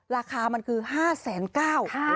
ราคามันคือ๕๙๐๐บาท